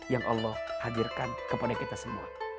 yang allah hadirkan kepada kita semua